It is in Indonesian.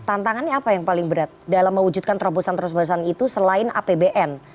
tantangannya apa yang paling berat dalam mewujudkan terobosan terobosan itu selain apbn